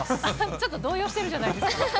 ちょっと動揺してるじゃないですか。